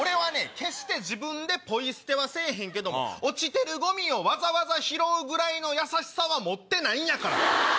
決して自分でポイ捨てはせぇへんけども落ちてるゴミをわざわざ拾うぐらいの優しさは持ってないんやから。